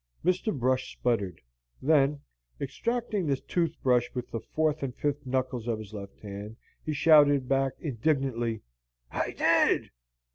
Mr. Brush sputtered; then, extracting the tooth brush with the fourth and fifth knuckles of his left hand, he shouted back indignantly: "I 'id!"